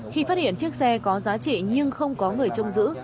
khi phát hiện chiếc xe có giá trị nhưng không có người trông giữ